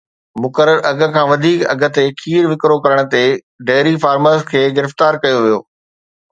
مقرر اگهه کان وڌيڪ اگهه تي کير وڪرو ڪرڻ تي ڊيري فارمرز کي گرفتار ڪيو ويو